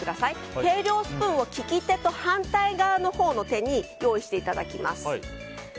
計量スプーンを利き手と反対側のほうの手に用意していただきます。